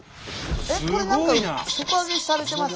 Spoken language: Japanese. これ何か底上げされてます？